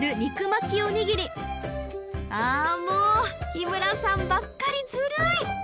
日村さんばっかりずるい！